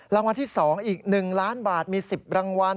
รางวัลที่๒อีก๑ล้านบาทมี๑๐รางวัล